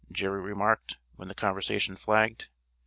Jerry remarked when the conversation flagged.